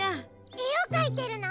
えをかいてるの？